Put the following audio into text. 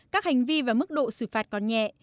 các hành vi và mức độ xử phạt còn nhẹ